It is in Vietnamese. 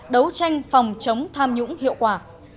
đấu tranh phòng chống tham nhũng hiệu quả